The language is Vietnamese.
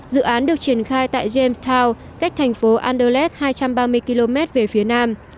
dự án được triển khai tại jamestown cách thành phố anderlecht hai trăm ba mươi km về phía nam